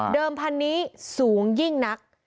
เดิมพันนี้สูงยิ่งนัก